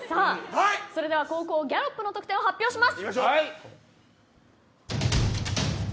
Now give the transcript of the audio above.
それでは後攻ギャロップの得点を発表します。